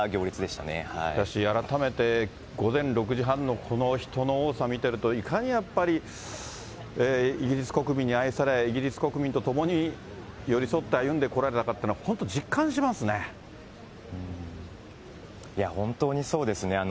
しかし改めて、午前６時半のこの人の多さ見てると、いかにやっぱりイギリス国民に愛され、イギリス国民と共に寄り添って歩んでこられたかというのを本当実いや、本当にそうですね。